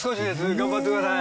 頑張ってください。